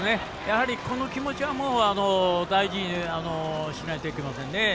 この気持ちは大事にしないといけません。